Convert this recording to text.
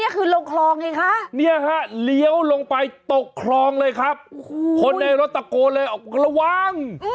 ตกคลองเลยครับคนในรถตะโกนเลยระวัง